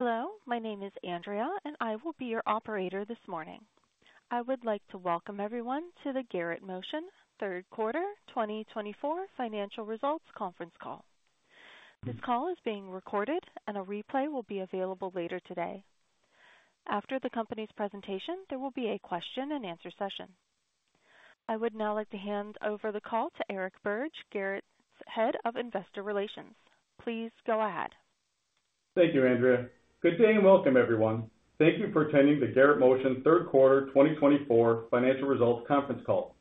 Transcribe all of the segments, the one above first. Hello, my name is Andrea, and I will be your operator this morning. I would like to welcome everyone to the Garrett Motion Third Quarter 2024 financial results conference call. This call is being recorded, and a replay will be available later today. After the company's presentation, there will be a question and answer session. I would now like to hand over the call to Eric Birge, Garrett's Head of Investor Relations. Please go ahead. Thank you, Andrea. Good day, and welcome, everyone. Thank you for attending the Garrett Motion third quarter twenty twenty-four financial results conference call.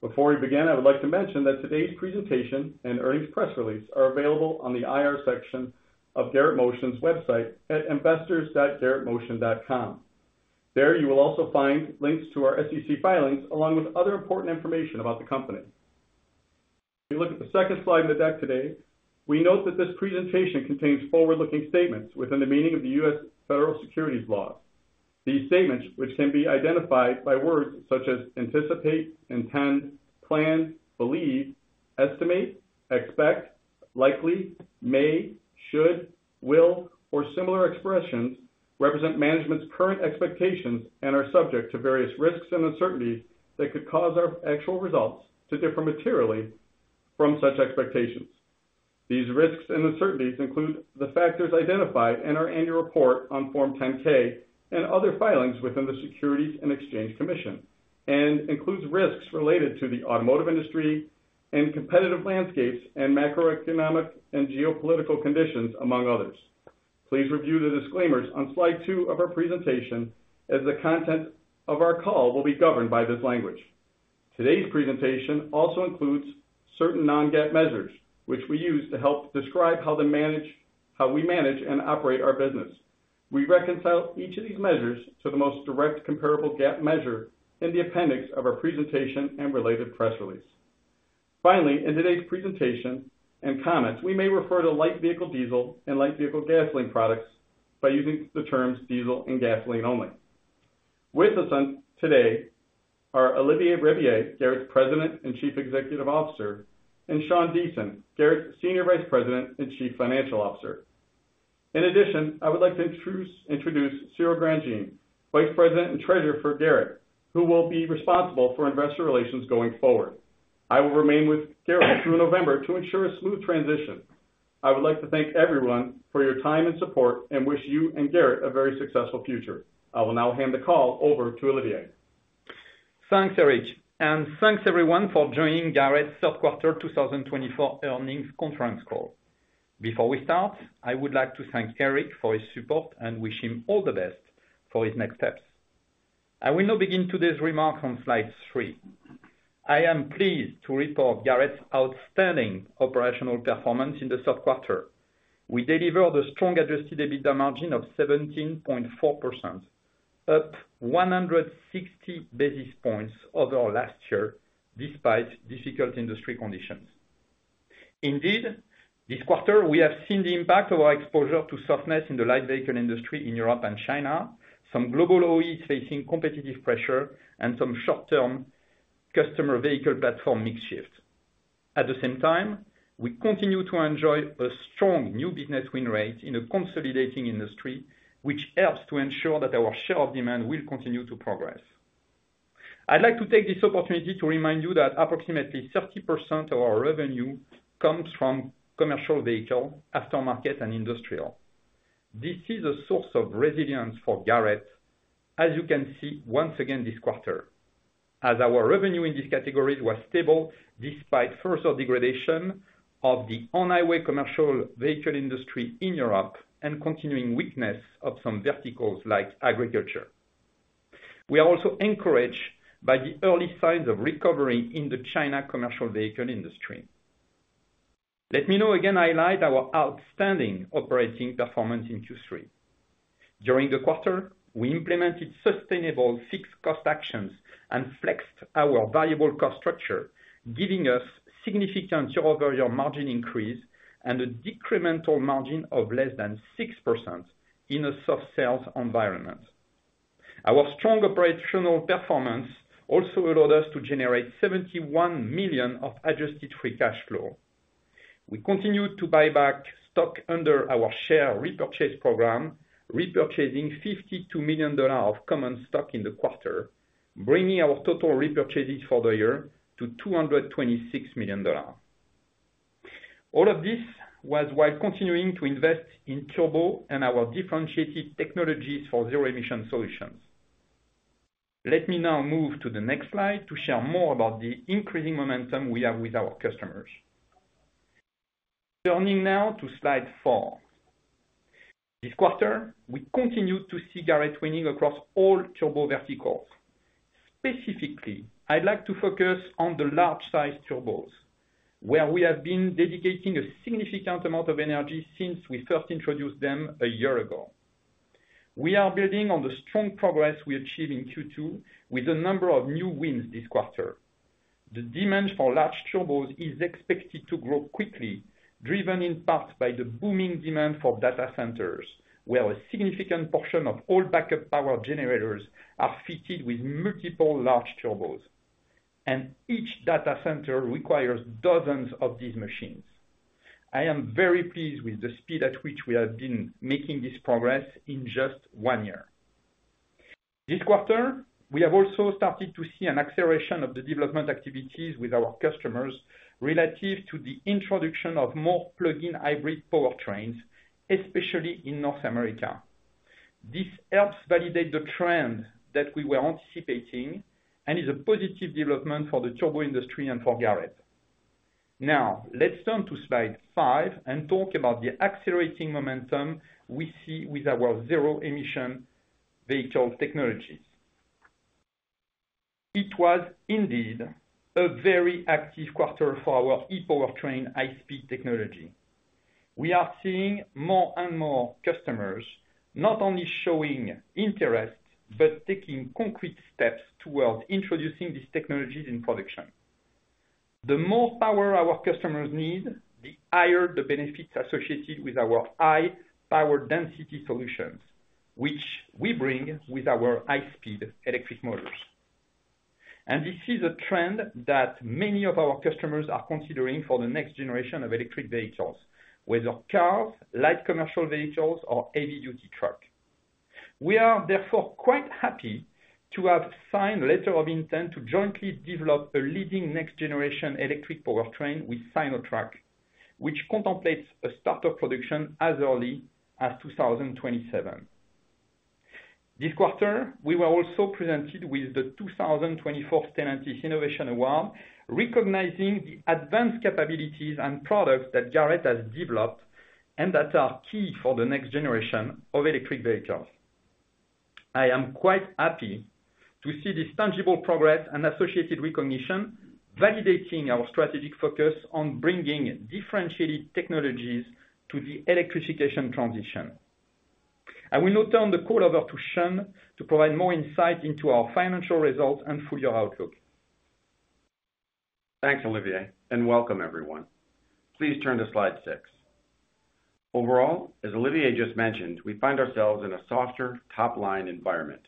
Before we begin, I would like to mention that today's presentation and earnings press release are available on the IR section of Garrett Motion's website at investors.garrettmotion.com. There you will also find links to our SEC filings, along with other important information about the company. If you look at the second slide in the deck today, we note that this presentation contains forward-looking statements within the meaning of the U.S. Federal securities laws. These statements, which can be identified by words such as anticipate, intend, plan, believe, estimate, expect, likely, may, should, will, or similar expressions, represent management's current expectations and are subject to various risks and uncertainties that could cause our actual results to differ materially from such expectations. These risks and uncertainties include the factors identified in our annual report on Form 10-K and other filings with the Securities and Exchange Commission, and includes risks related to the automotive industry and competitive landscapes and macroeconomic and geopolitical conditions, among others. Please review the disclaimers on slide two of our presentation, as the content of our call will be governed by this language. Today's presentation also includes certain non-GAAP measures, which we use to help describe how we manage and operate our business. We reconcile each of these measures to the most direct comparable GAAP measure in the appendix of our presentation and related press release. Finally, in today's presentation and comments, we may refer to light vehicle diesel and light vehicle gasoline products by using the terms diesel and gasoline only. With us today are Olivier Rabiller, Garrett's President and Chief Executive Officer, and Sean Deason, Garrett's Senior Vice President and Chief Financial Officer. In addition, I would like to introduce Cyril Grandjean, Vice President and Treasurer for Garrett, who will be responsible for investor relations going forward. I will remain with Garrett through November to ensure a smooth transition. I would like to thank everyone for your time and support, and wish you and Garrett a very successful future. I will now hand the call over to Olivier. Thanks, Eric, and thanks everyone for joining Garrett's third quarter twenty twenty-four earnings conference call. Before we start, I would like to thank Eric for his support and wish him all the best for his next steps. I will now begin today's remarks on slide three. I am pleased to report Garrett's outstanding operational performance in the third quarter. We delivered a strong Adjusted EBITDA margin of 17.4%, up 160 basis points over last year, despite difficult industry conditions. Indeed, this quarter, we have seen the impact of our exposure to softness in the light vehicle industry in Europe and China, some global OE facing competitive pressure, and some short-term customer vehicle platform mix shift. At the same time, we continue to enjoy a strong new business win rate in a consolidating industry, which helps to ensure that our share of demand will continue to progress. I'd like to take this opportunity to remind you that approximately 30% of our revenue comes from commercial vehicle, aftermarket, and industrial. This is a source of resilience for Garrett, as you can see once again this quarter, as our revenue in these categories was stable despite further degradation of the on-highway commercial vehicle industry in Europe and continuing weakness of some verticals like agriculture. We are also encouraged by the early signs of recovery in the China commercial vehicle industry. Let me now again highlight our outstanding operating performance in Q3. During the quarter, we implemented sustainable fixed cost actions and flexed our variable cost structure, giving us significant year-over-year margin increase and a decremental margin of less than 6% in a soft sales environment. Our strong operational performance also allowed us to generate $71 million of adjusted free cash flow. We continued to buy back stock under our share repurchase program, repurchasing $52 million of common stock in the quarter, bringing our total repurchases for the year to $226 million. All of this was while continuing to invest in turbo and our differentiated technologies for zero-emission solutions. Let me now move to the next slide to share more about the increasing momentum we have with our customers. Turning now to slide 4. This quarter, we continued to see Garrett winning across all turbo verticals. Specifically, I'd like to focus on the large-sized turbos, where we have been dedicating a significant amount of energy since we first introduced them a year ago. We are building on the strong progress we achieved in Q2 with a number of new wins this quarter. The demand for large turbos is expected to grow quickly, driven in part by the booming demand for data centers, where a significant portion of all backup power generators are fitted with multiple large turbos... and each data center requires dozens of these machines. I am very pleased with the speed at which we have been making this progress in just one year. This quarter, we have also started to see an acceleration of the development activities with our customers relative to the introduction of more plug-in hybrid powertrains, especially in North America. This helps validate the trend that we were anticipating and is a positive development for the turbo industry and for Garrett. Now, let's turn to slide five and talk about the accelerating momentum we see with our zero-emission vehicle technologies. It was indeed a very active quarter for our e-powertrain high-speed technology. We are seeing more and more customers, not only showing interest, but taking concrete steps towards introducing these technologies in production. The more power our customers need, the higher the benefits associated with our high power density solutions, which we bring with our high-speed electric motors. And this is a trend that many of our customers are considering for the next generation of electric vehicles, whether cars, light commercial vehicles, or heavy-duty truck. We are therefore quite happy to have signed a letter of intent to jointly develop a leading next-generation electric powertrain with Sinotruk, which contemplates a start of production as early as 2027. This quarter, we were also presented with the 2024 Stellantis Innovation Award, recognizing the advanced capabilities and products that Garrett has developed and that are key for the next generation of electric vehicles. I am quite happy to see this tangible progress and associated recognition, validating our strategic focus on bringing differentiated technologies to the electrification transition. I will now turn the call over to Sean to provide more insight into our financial results and full year outlook. Thanks, Olivier, and welcome everyone. Please turn to slide six. Overall, as Olivier just mentioned, we find ourselves in a softer top-line environment,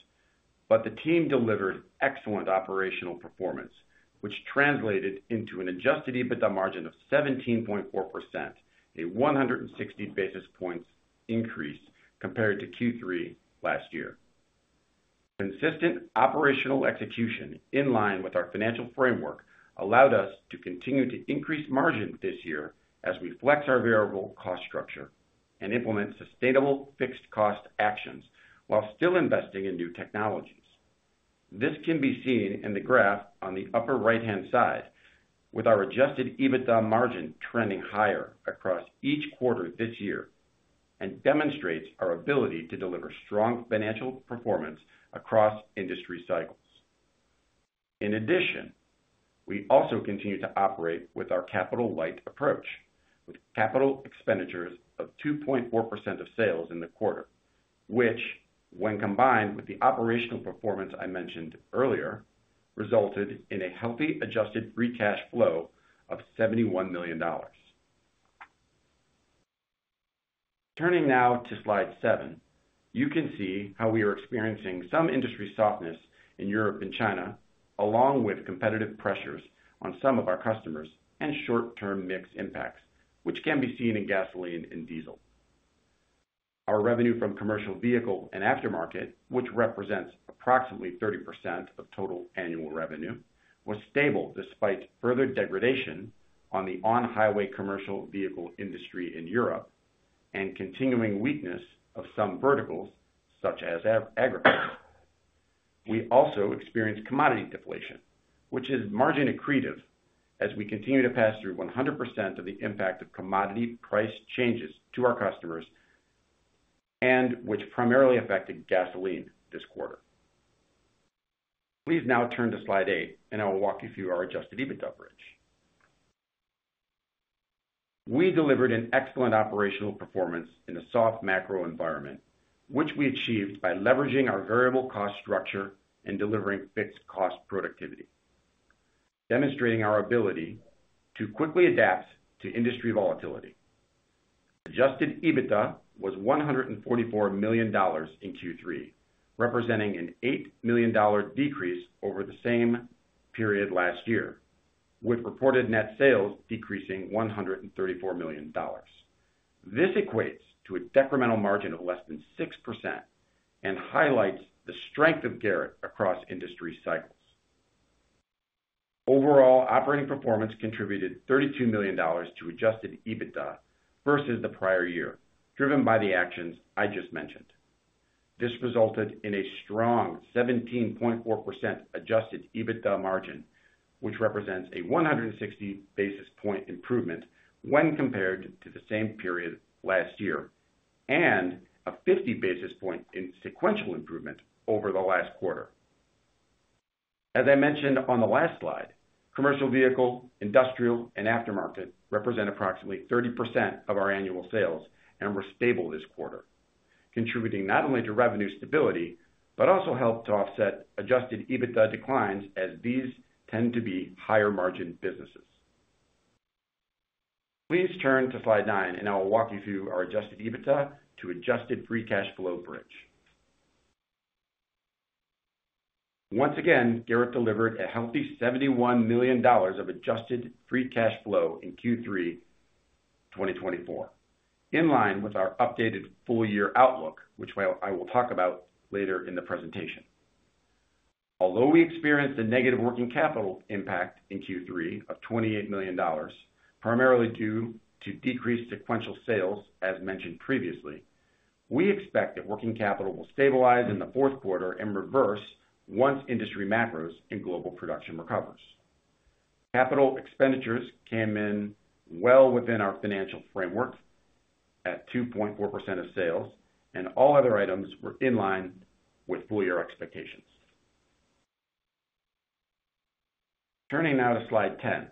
but the team delivered excellent operational performance, which translated into an adjusted EBITDA margin of 17.4%, a 160 basis points increase compared to Q3 last year. Consistent operational execution in line with our financial framework allowed us to continue to increase margin this year as we flex our variable cost structure and implement sustainable fixed cost actions while still investing in new technologies. This can be seen in the graph on the upper right-hand side, with our adjusted EBITDA margin trending higher across each quarter this year, and demonstrates our ability to deliver strong financial performance across industry cycles. In addition, we also continue to operate with our capital light approach, with capital expenditures of 2.4% of sales in the quarter, which when combined with the operational performance I mentioned earlier, resulted in a healthy adjusted free cash flow of $71 million. Turning now to slide 7, you can see how we are experiencing some industry softness in Europe and China, along with competitive pressures on some of our customers and short-term mix impacts, which can be seen in gasoline and diesel. Our revenue from commercial vehicle and aftermarket, which represents approximately 30% of total annual revenue, was stable despite further degradation on the on-highway commercial vehicle industry in Europe and continuing weakness of some verticals, such as agriculture. We also experienced commodity deflation, which is margin accretive as we continue to pass through 100% of the impact of commodity price changes to our customers and which primarily affected gasoline this quarter. Please now turn to slide eight, and I will walk you through our adjusted EBITDA bridge. We delivered an excellent operational performance in a soft macro environment, which we achieved by leveraging our variable cost structure and delivering fixed cost productivity, demonstrating our ability to quickly adapt to industry volatility. Adjusted EBITDA was $144 million in Q3, representing an $8 million decrease over the same period last year, with reported net sales decreasing $134 million. This equates to a decremental margin of less than 6% and highlights the strength of Garrett across industry cycles. Overall, operating performance contributed $32 million to Adjusted EBITDA versus the prior year, driven by the actions I just mentioned. This resulted in a strong 17.4% Adjusted EBITDA margin, which represents a 160 basis point improvement when compared to the same period last year, and a 50 basis point in sequential improvement over the last quarter. As I mentioned on the last slide, commercial vehicle, industrial, and Aftermarket represent approximately 30% of our annual sales and were stable this quarter. Contributing not only to revenue stability, but also helped to offset Adjusted EBITDA declines as these tend to be higher margin businesses. Please turn to slide nine, and I will walk you through our Adjusted EBITDA to Adjusted free cash flow bridge. Once again, Garrett delivered a healthy $71 million of adjusted free cash flow in Q3 2024, in line with our updated full-year outlook, which I will talk about later in the presentation. Although we experienced a negative working capital impact in Q3 of $28 million, primarily due to decreased sequential sales, as mentioned previously, we expect that working capital will stabilize in the fourth quarter and reverse once industry macros and global production recovers. Capital expenditures came in well within our financial framework at 2.4% of sales, and all other items were in line with full year expectations. Turning now to slide 10.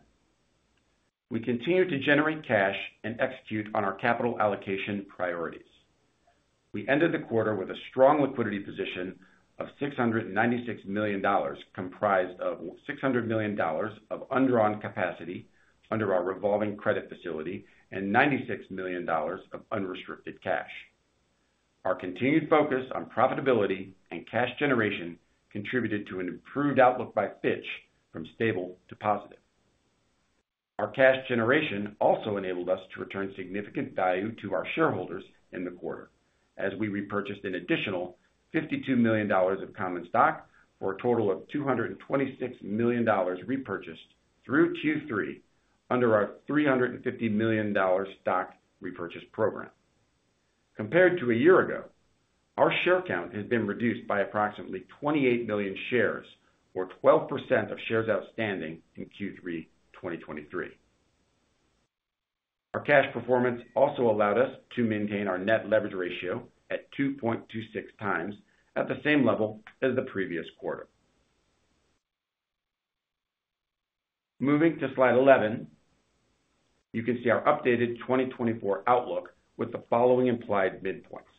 We continue to generate cash and execute on our capital allocation priorities. We ended the quarter with a strong liquidity position of $696 million, comprised of $600 million of undrawn capacity under our revolving credit facility and $96 million of unrestricted cash. Our continued focus on profitability and cash generation contributed to an improved outlook by Fitch from stable to positive. Our cash generation also enabled us to return significant value to our shareholders in the quarter, as we repurchased an additional $52 million of common stock, for a total of $226 million repurchased through Q3 under our $350 million stock repurchase program. Compared to a year ago, our share count has been reduced by approximately 28 million shares or 12% of shares outstanding in Q3 2023. Our cash performance also allowed us to maintain our net leverage ratio at 2.26 times at the same level as the previous quarter. Moving to slide 11, you can see our updated 2024 outlook with the following implied midpoints: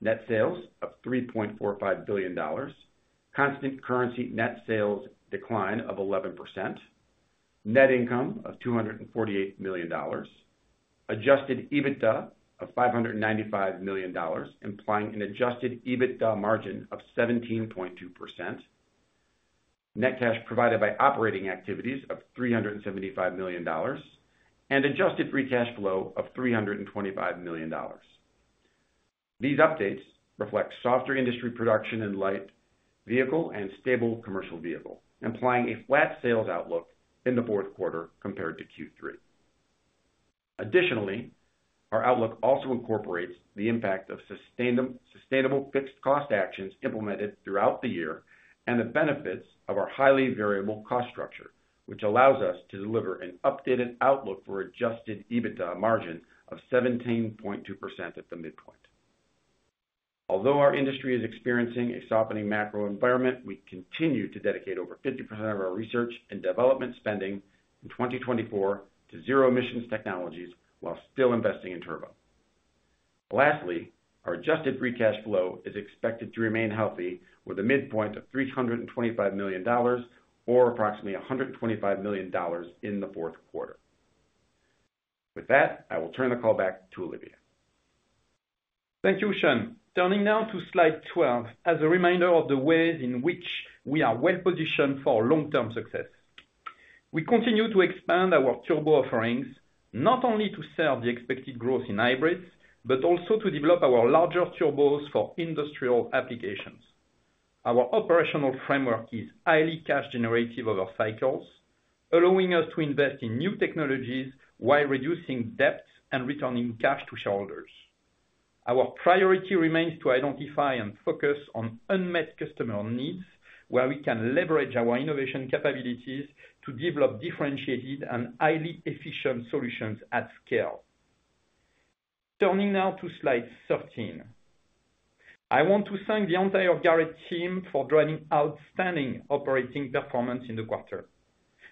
Net sales of $3.45 billion. Constant currency net sales decline of 11%. Net income of $248 million. Adjusted EBITDA of $595 million, implying an adjusted EBITDA margin of 17.2%. Net cash provided by operating activities of $375 million, and adjusted free cash flow of $325 million. These updates reflect softer industry production and light vehicle and stable commercial vehicle, implying a flat sales outlook in the fourth quarter compared to Q3. Additionally, our outlook also incorporates the impact of sustainable fixed cost actions implemented throughout the year and the benefits of our highly variable cost structure, which allows us to deliver an updated outlook for Adjusted EBITDA margin of 17.2% at the midpoint. Although our industry is experiencing a softening macro environment, we continue to dedicate over 50% of our research and development spending in 2024 to zero-emission technologies while still investing in turbo. Lastly, our adjusted free cash flow is expected to remain healthy with a midpoint of $325 million or approximately $125 million in the fourth quarter. With that, I will turn the call back to Olivier. Thank you, Sean. Turning now to slide twelve. As a reminder of the ways in which we are well positioned for long-term success. We continue to expand our turbo offerings, not only to serve the expected growth in hybrids, but also to develop our larger turbos for industrial applications. Our operational framework is highly cash generative over cycles, allowing us to invest in new technologies while reducing debts and returning cash to shareholders. Our priority remains to identify and focus on unmet customer needs, where we can leverage our innovation capabilities to develop differentiated and highly efficient solutions at scale. Turning now to slide thirteen. I want to thank the entire Garrett team for driving outstanding operating performance in the quarter.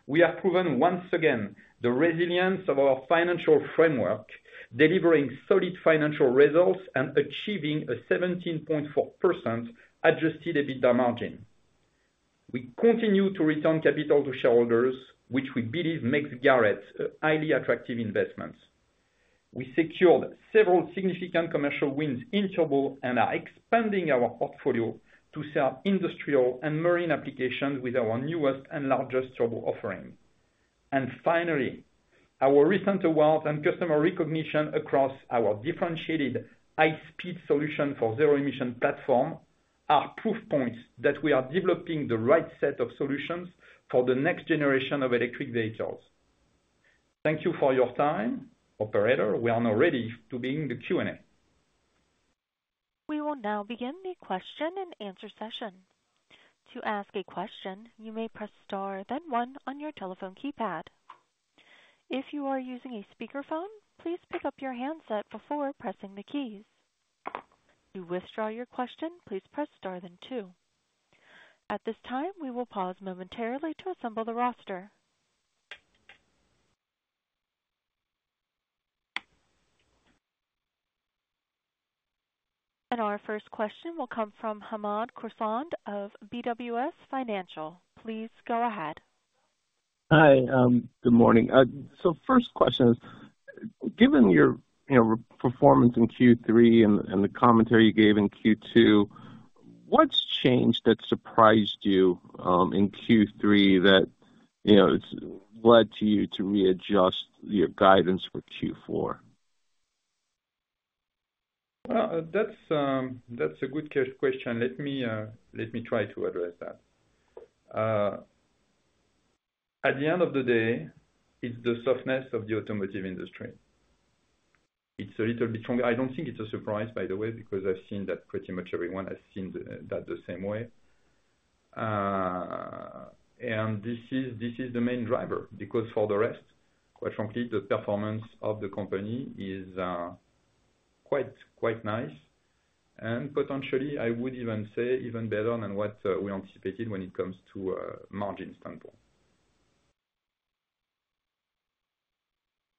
We have proven once again the resilience of our financial framework, delivering solid financial results and achieving a 17.4% adjusted EBITDA margin. We continue to return capital to shareholders, which we believe makes Garrett a highly attractive investment. We secured several significant commercial wins in turbo and are expanding our portfolio to serve industrial and marine applications with our newest and largest turbo offering. And finally, our recent awards and customer recognition across our differentiated high-speed solution for zero emission platform are proof points that we are developing the right set of solutions for the next generation of electric vehicles. Thank you for your time. Operator, we are now ready to begin the Q&A. We will now begin the question-and-answer session. To ask a question, you may press star, then one on your telephone keypad. If you are using a speakerphone, please pick up your handset before pressing the keys. To withdraw your question, please press star then two. At this time, we will pause momentarily to assemble the roster... And our first question will come from Hamed Khorsand of BWS Financial. Please go ahead. Hi, good morning. So first question is, given your, you know, performance in Q3 and the commentary you gave in Q2, what's changed that surprised you in Q3 that, you know, it's led to you to readjust your guidance for Q4? That's a good question. Let me try to address that. At the end of the day, it's the softness of the automotive industry. It's a little bit stronger. I don't think it's a surprise, by the way, because I've seen that pretty much everyone has seen that the same way. And this is the main driver, because for the rest, quite frankly, the performance of the company is quite nice. And potentially, I would even say even better than what we anticipated when it comes to margin standpoint.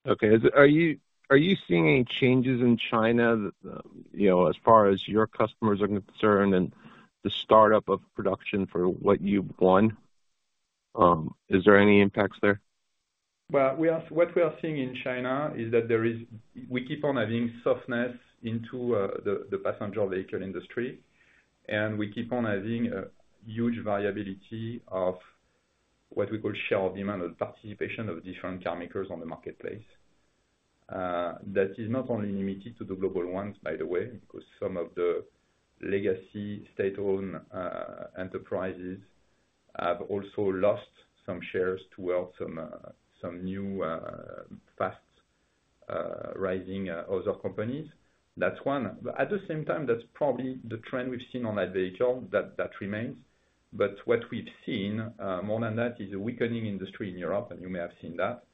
Okay. Are you seeing any changes in China that, you know, as far as your customers are concerned and the startup of production for what you've won? Is there any impacts there? What we are seeing in China is that there is. We keep on adding softness into the passenger vehicle industry, and we keep on adding a huge variability of what we call share of demand and participation of different car makers on the marketplace. That is not only limited to the global ones, by the way, because some of the legacy state-owned enterprises have also lost some shares towards some new fast-rising other companies. That's one, but at the same time, that's probably the trend we've seen on that vehicle that remains, but what we've seen more than that is a weakening industry in Europe, and you may have seen that,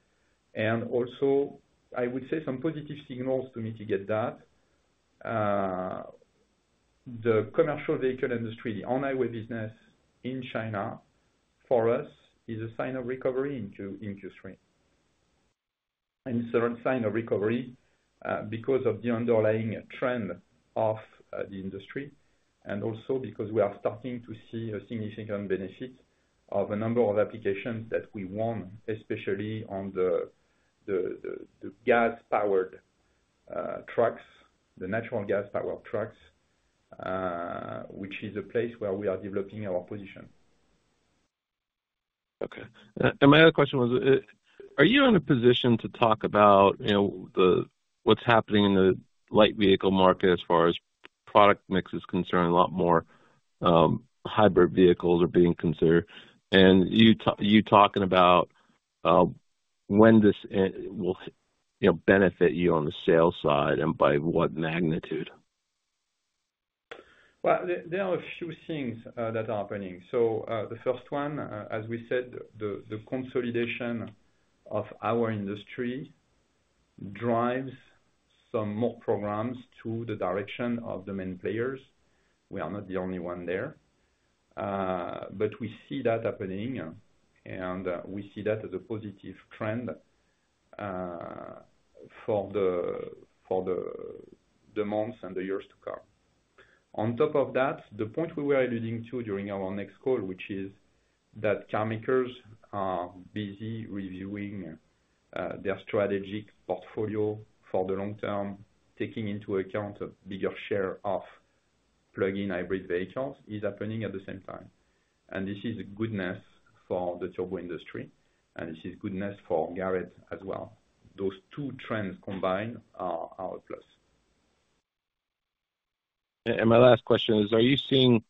and also, I would say some positive signals to mitigate that. The commercial vehicle industry, the on highway business in China, for us, is a sign of recovery in Q3. It's a sign of recovery because of the underlying trend of the industry, and also because we are starting to see a significant benefit of a number of applications that we want, especially on the gas-powered trucks, the natural gas-powered trucks, which is a place where we are developing our position. Okay. And my other question was, are you in a position to talk about, you know, the, what's happening in the light vehicle market as far as product mix is concerned? A lot more, hybrid vehicles are being considered. And you talking about, when this, will, you know, benefit you on the sales side and by what magnitude? There are a few things that are happening. So, the first one, as we said, the consolidation of our industry drives some more programs to the direction of the main players. We are not the only one there. But we see that happening, and we see that as a positive trend for the months and the years to come. On top of that, the point we were alluding to during our next call, which is that car makers are busy reviewing their strategic portfolio for the long term, taking into account a bigger share of plug-in hybrid vehicles, is happening at the same time. And this is good news for the turbo industry, and this is good news for Garrett as well. Those two trends combined are our plus. My last question is: Are you seeing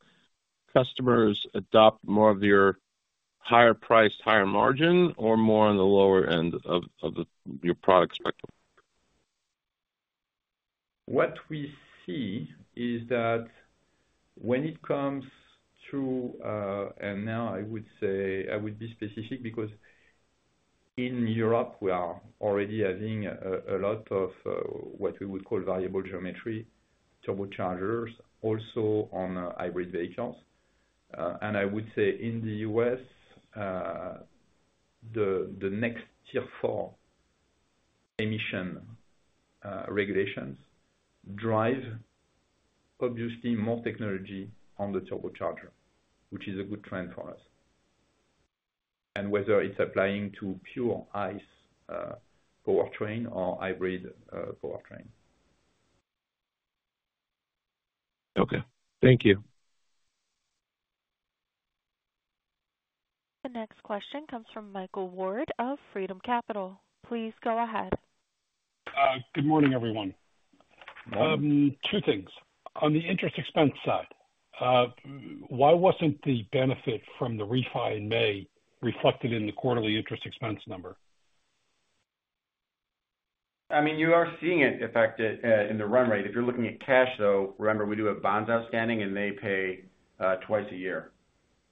customers adopt more of your higher price, higher margin, or more on the lower end of the your product spectrum? What we see is that when it comes to, and now I would say I would be specific, because in Europe, we are already adding a lot of what we would call variable geometry turbochargers, also on hybrid vehicles, and I would say in the U.S., the next Tier 4 emission regulations drive obviously more technology on the turbocharger, which is a good trend for us, and whether it's applying to pure ICE powertrain or hybrid powertrain. Okay. Thank you. The next question comes from Michael Ward of Freedom Capital. Please go ahead. Good morning, everyone. Good morning. Two things. On the interest expense side, why wasn't the benefit from the refi in May reflected in the quarterly interest expense number? I mean, you are seeing it affected in the run rate. If you're looking at cash, though, remember, we do have bonds outstanding, and they pay twice a year.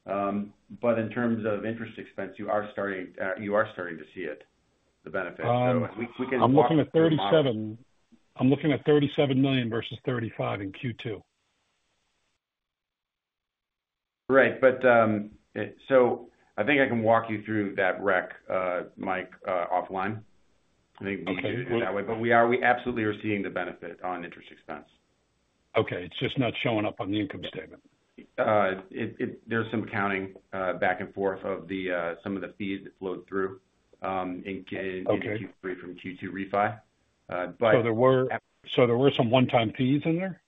But in terms of interest expense, you are starting to see it, the benefit. So we can- I'm looking at $37 million, I'm looking at $37 million versus $35 million in Q2. Right, but so I think I can walk you through that rec, Mike, offline. I think we can do it that way. Okay. But we absolutely are seeing the benefit on interest expense. Okay. It's just not showing up on the income statement. There's some accounting back and forth of some of the fees that flowed through, in- Okay. In Q3 from Q2 refi. But- So there were some one-time fees in there?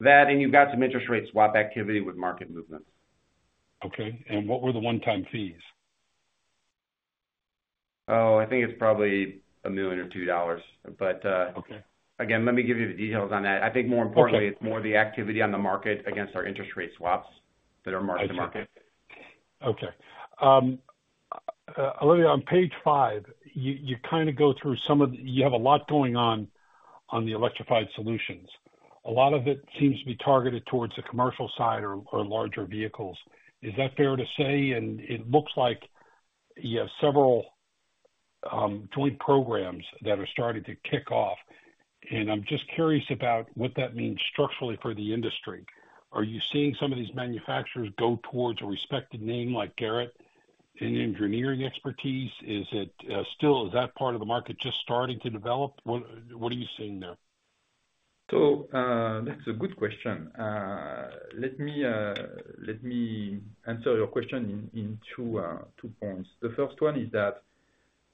That, and you've got some interest rate swap activity with market movements. Okay. And what were the one-time fees? Oh, I think it's probably $1 million or $2 million. But, Okay. Again, let me give you the details on that. Okay. I think more importantly, it's more the activity on the market against our interest rate swaps that are marked to market. I see. Okay. Olivier, on page five, you kind of go through some of the... You have a lot going on, on the electrified solutions. A lot of it seems to be targeted towards the commercial side or larger vehicles. Is that fair to say? And it looks like you have several joint programs that are starting to kick off, and I'm just curious about what that means structurally for the industry. Are you seeing some of these manufacturers go towards a respected name like Garrett in engineering expertise? Is it still, is that part of the market just starting to develop? What are you seeing there? That's a good question. Let me answer your question in two points. The first one is that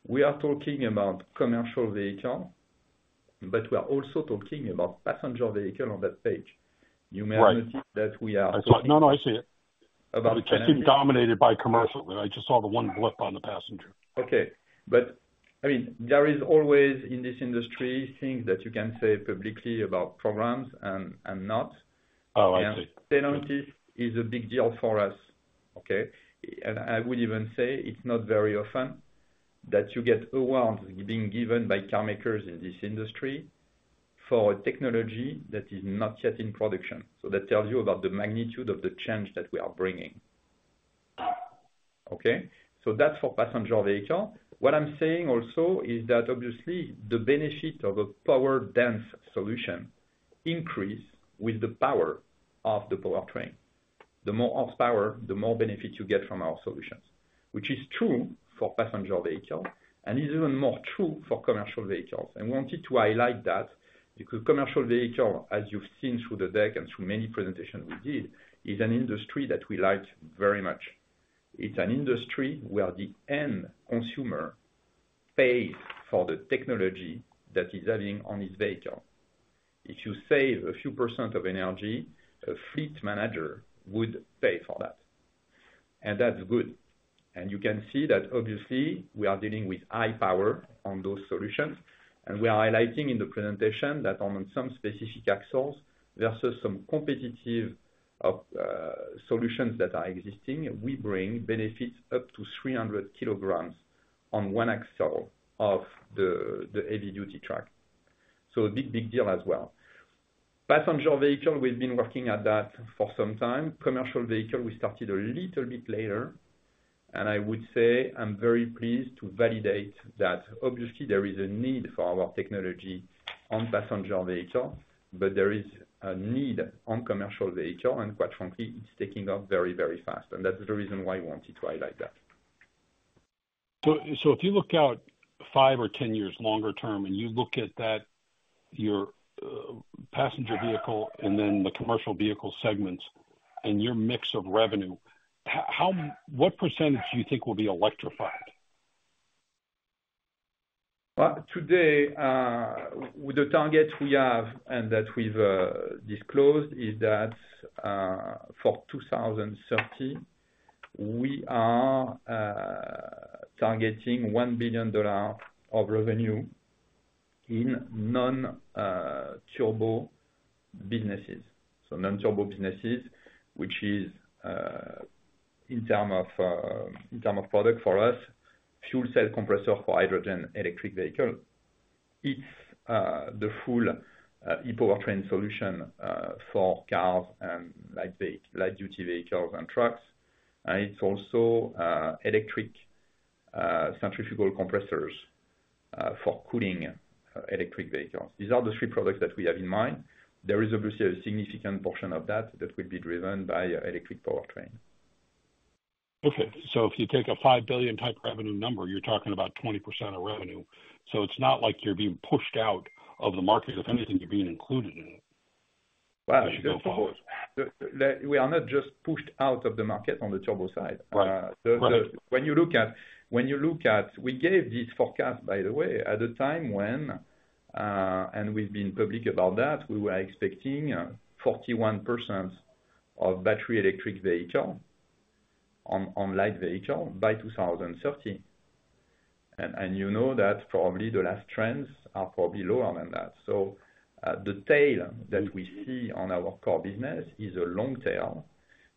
we are talking about commercial vehicle, but we are also talking about passenger vehicle on that page. Right. You may notice that we are talking- No, no, I see it. About energy- It's dominated by commercial, but I just saw the one blip on the passenger. Okay. But, I mean, there is always, in this industry, things that you can say publicly about programs and not. Oh, I see. And penalty is a big deal for us, okay? And I would even say it's not very often that you get awards being given by car makers in this industry for a technology that is not yet in production. So that tells you about the magnitude of the change that we are bringing. Okay? So that's for passenger vehicle. What I'm saying also is that, obviously, the benefit of a power dense solution increase with the power of the powertrain. The more horsepower, the more benefits you get from our solutions, which is true for passenger vehicle, and is even more true for commercial vehicles. I wanted to highlight that, because commercial vehicle, as you've seen through the deck and through many presentations we did, is an industry that we like very much. It's an industry where the end consumer pays for the technology that is adding on his vehicle. If you save a few % of energy, a fleet manager would pay for that, and that's good, and you can see that obviously, we are dealing with high power on those solutions, and we are highlighting in the presentation that on some specific axles, there are still some competitive solutions that are existing. We bring benefits up to 300 kilograms on one axle of the heavy-duty truck. So a big, big deal as well. Passenger vehicle, we've been working at that for some time. Commercial vehicle, we started a little bit later, and I would say I'm very pleased to validate that obviously there is a need for our technology on passenger vehicle, but there is a need on commercial vehicle, and quite frankly, it's taking off very, very fast, and that's the reason why I wanted to highlight that. So if you look out five or 10 years longer term, and you look at that, your passenger vehicle and then the commercial vehicle segments and your mix of revenue, what percentage do you think will be electrified? Today, with the target we have and that we've disclosed, is that for 2030, we are targeting $1 billion of revenue in non-turbo businesses. So non-turbo businesses, which is in terms of product for us, fuel cell compressor for hydrogen electric vehicle. It's the full e-powertrain solution for cars and light-duty vehicles and trucks, and it's also electric centrifugal compressors for cooling electric vehicles. These are the three products that we have in mind. There is obviously a significant portion of that that will be driven by electric powertrain. Okay. So if you take a five billion type revenue number, you're talking about 20% of revenue. So it's not like you're being pushed out of the market. If anything, you're being included in it. Well, of course. As you go forward. We are not just pushed out of the market on the turbo side. Right. When you look at, we gave this forecast, by the way, at a time when, and we've been public about that, we were expecting, 41% of battery electric vehicle on light vehicle by 2030. And you know that probably the latest trends are far below that. So, the tail that we see on our core business is a long tail,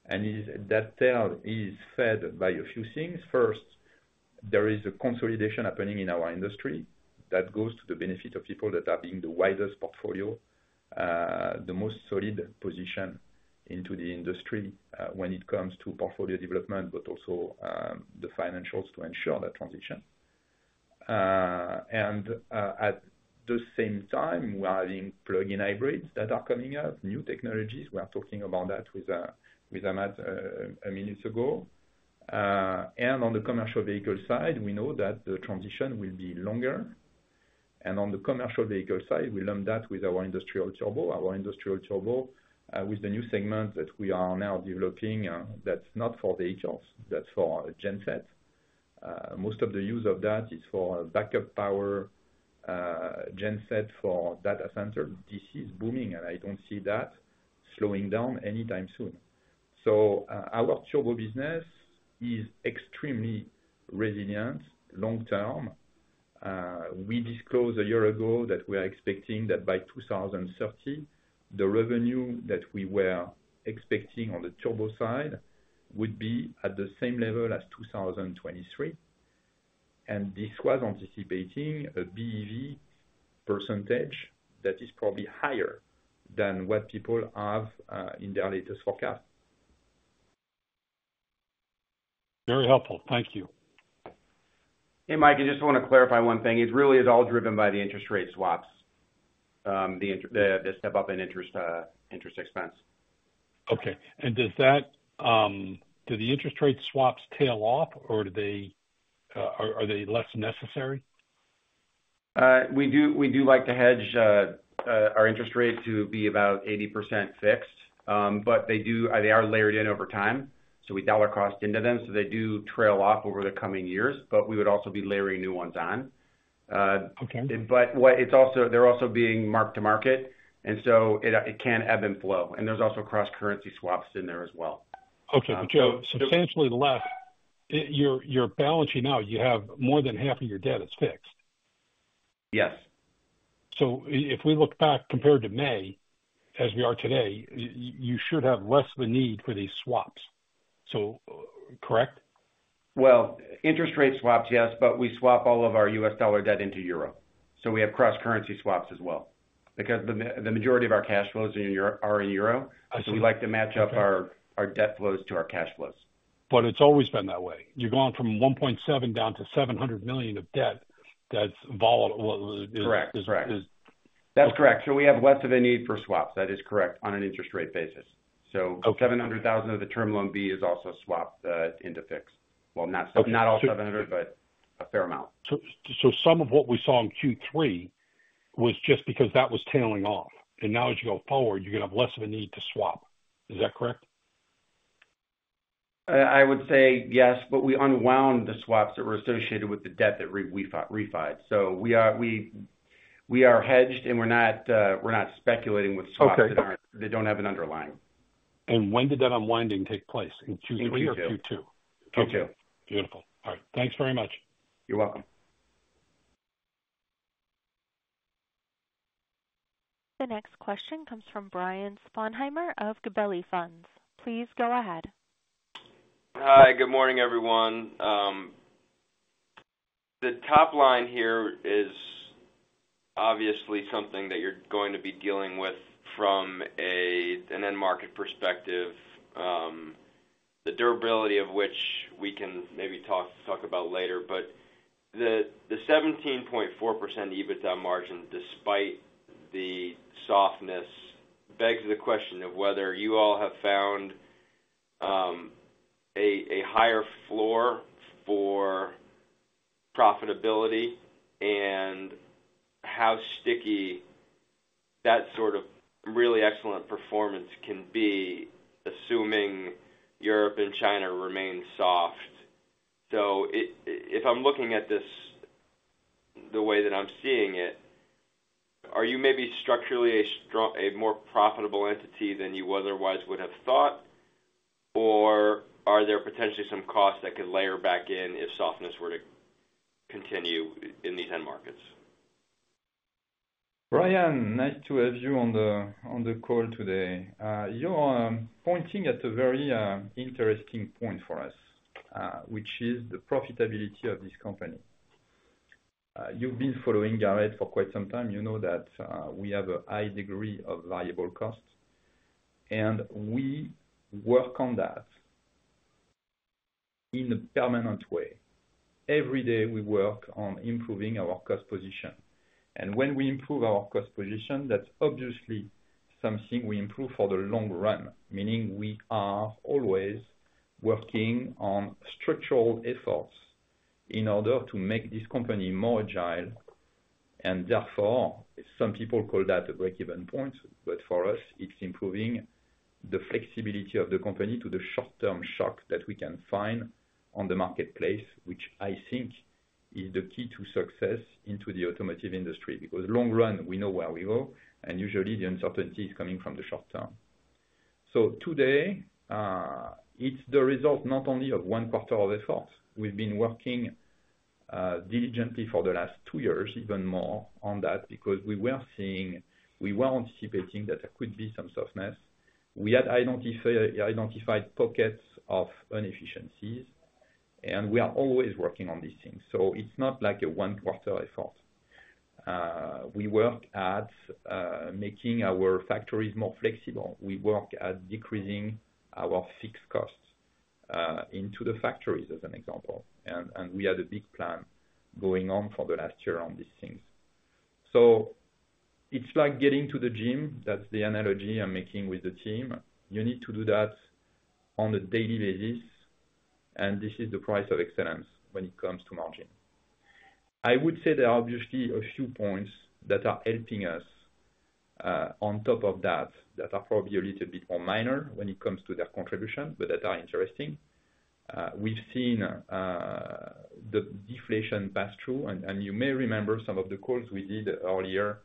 and that tail is fed by a few things. First, there is a consolidation happening in our industry that goes to the benefit of people that are having the widest portfolio, the most solid position in the industry, when it comes to portfolio development, but also, the financials to ensure that transition. And at the same time, we are having plug-in hybrids that are coming out, new technologies. We are talking about that with Hamad a minute ago. On the commercial vehicle side, we know that the transition will be longer. On the commercial vehicle side, we learned that with our industrial turbo with the new segment that we are now developing, that's not for vehicles, that's for genset. Most of the use of that is for backup power, genset for data center. This is booming, and I don't see that slowing down anytime soon. Our turbo business is extremely resilient long term. We disclosed a year ago that we are expecting that by 2030, the revenue that we were expecting on the turbo side would be at the same level as 2023, and this was anticipating a BEV percentage that is probably higher than what people have in their latest forecast. Very helpful. Thank you. Hey, Mike, I just want to clarify one thing. It really is all driven by the interest rate swaps, the step up in interest expense. Okay. Do the interest rate swaps tail off, or are they less necessary? We do like to hedge our interest rates to be about 80% fixed. But they are layered in over time, so we dollar cost into them, so they do trail off over the coming years, but we would also be layering new ones on. Okay. But what it's also, they're also being mark-to-market, and so it, it can ebb and flow, and there's also cross-currency swaps in there as well. Okay. But Joe, substantially less, you're balancing out. You have more than half of your debt is fixed. Yes. So if we look back, compared to May, as we are today, you should have less of a need for these swaps. So, correct? Interest rate swaps, yes, but we swap all of our U.S. dollar debt into euro. We have cross-currency swaps as well, because the majority of our cash flows are in euro. I see. We like to match up our debt flows to our cash flows. But it's always been that way. You've gone from $1.7 billion down to $700 million of debt. Correct. Is, is- That's correct. So we have less of a need for swaps. That is correct on an interest rate basis. Okay. So 700,000 of the term loan B is also swapped into fixed. Well, not, not all 700,000, but a fair amount. So, so some of what we saw in Q3 was just because that was tailing off, and now as you go forward, you're going to have less of a need to swap. Is that correct? I would say yes, but we unwound the swaps that were associated with the debt that we refinanced. So we are hedged, and we're not speculating with swaps. Okay. that don't have an underlying. When did that unwinding take place? In Q3 or Q2? Q2. Q2. Beautiful. All right. Thanks very much. You're welcome. The next question comes from Brian Sponheimer of Gabelli Funds. Please go ahead. Hi, good morning, everyone. The top line here is obviously something that you're going to be dealing with from an end market perspective, the durability of which we can maybe talk about later. But the 17.4% EBITDA margin, despite the softness, begs the question of whether you all have found a higher floor for profitability and how sticky that sort of really excellent performance can be, assuming Europe and China remain soft. So if I'm looking at this, the way that I'm seeing it, are you maybe structurally a strong, a more profitable entity than you otherwise would have thought? Or are there potentially some costs that could layer back in if softness were to continue in these end markets? Brian, nice to have you on the call today. You are pointing at a very interesting point for us, which is the profitability of this company. You've been following Garrett for quite some time. You know that we have a high degree of variable costs, and we work on that in a permanent way. Every day, we work on improving our cost position, and when we improve our cost position, that's obviously something we improve for the long run. Meaning we are always working on structural efforts in order to make this company more agile, and therefore, some people call that a break-even point, but for us, it's improving the flexibility of the company to the short-term shock that we can find on the marketplace, which I think is the key to success into the automotive industry. Because long run, we know where we go, and usually the uncertainty is coming from the short term. So today, it's the result not only of one quarter of efforts. We've been working diligently for the last two years, even more on that, because we were seeing, we were anticipating that there could be some softness. We had identified pockets of inefficiencies, and we are always working on these things, so it's not like a one-quarter effort. We work at making our factories more flexible. We work at decreasing our fixed costs into the factories, as an example, and we had a big plan going on for the last year on these things. So it's like getting to the gym. That's the analogy I'm making with the team. You need to do that on a daily basis, and this is the price of excellence when it comes to margin. I would say there are obviously a few points that are helping us on top of that, that are probably a little bit more minor when it comes to their contribution, but that are interesting. We've seen the deflation pass through, and you may remember some of the calls we did earlier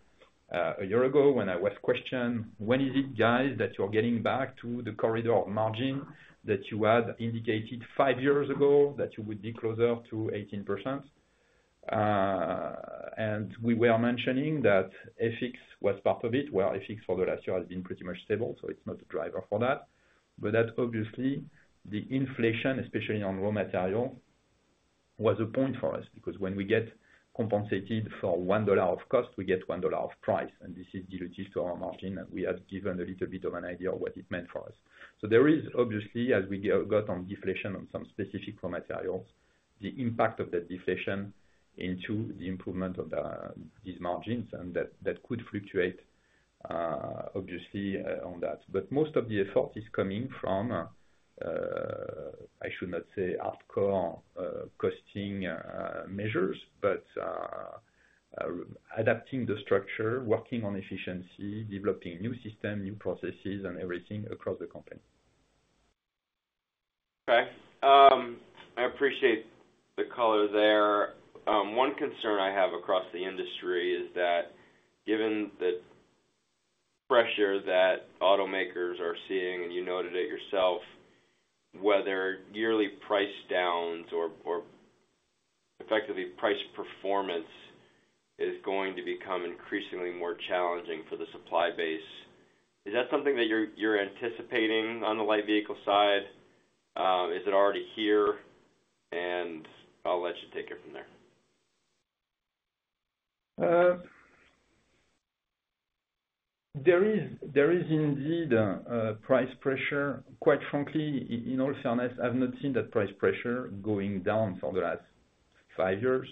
a year ago when I was questioned, "When is it, guys, that you're getting back to the corridor of margin that you had indicated five years ago, that you would be closer to 18%?" And we were mentioning that FX was part of it, well, FX for the last year has been pretty much stable, so it's not a driver for that. But that obviously, the inflation, especially on raw material, was a point for us, because when we get compensated for one dollar of cost, we get one dollar of price, and this is dilutive to our margin, and we have given a little bit of an idea of what it meant for us. So there is obviously, as we got on deflation on some specific raw materials, the impact of that deflation into the improvement of these margins, and that could fluctuate, obviously, on that. But most of the effort is coming from I should not say hardcore costing measures, but adapting the structure, working on efficiency, developing new system, new processes and everything across the company. Okay. I appreciate the color there. One concern I have across the industry is that given the pressure that automakers are seeing, and you noted it yourself, whether yearly price downs or effectively price performance is going to become increasingly more challenging for the supply base. Is that something that you're anticipating on the light vehicle side? Is it already here? And I'll let you take it from there. There is indeed a price pressure. Quite frankly, in all fairness, I've not seen that price pressure going down for the last five years.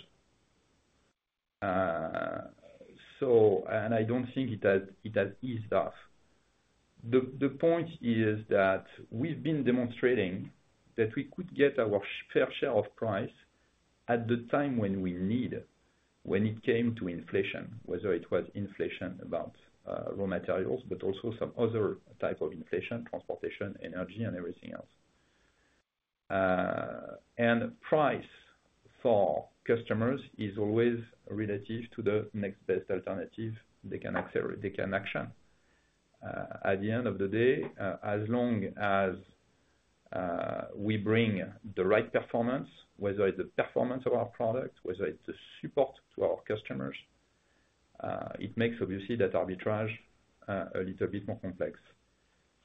And I don't think it has eased off. The point is that we've been demonstrating that we could get our fair share of price at the time when we need it, when it came to inflation, whether it was inflation about raw materials, but also some other type of inflation, transportation, energy and everything else. And price for customers is always relative to the next best alternative they can access - they can action. At the end of the day, as long as we bring the right performance, whether it's the performance of our product, whether it's the support to our customers, it makes obviously that arbitrage a little bit more complex.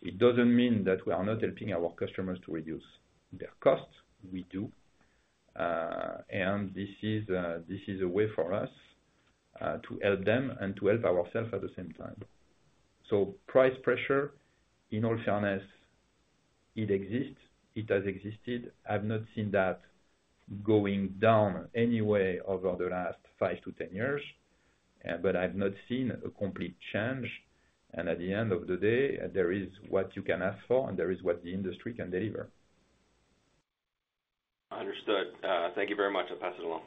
It doesn't mean that we are not helping our customers to reduce their costs. We do. And this is a way for us to help them and to help ourselves at the same time. So price pressure, in all fairness, it exists. It has existed. I've not seen that going down anyway over the last five to ten years, but I've not seen a complete change. And at the end of the day, there is what you can ask for, and there is what the industry can deliver. Understood. Thank you very much. I'll pass it along.